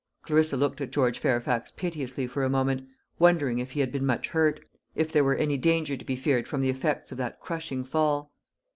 Clarissa looked at George Fairfax piteously for a moment, wondering if he had been much hurt if there were any danger to be feared from the effects or that crushing fall.